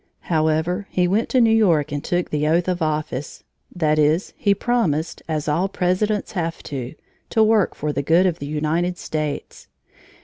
However, he went to New York and took the oath of office that is he promised, as all presidents have to, to work for the good of the United States.